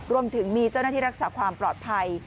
รวมถึงมีเจ้าหน้าที่รักษาความปลอดภัย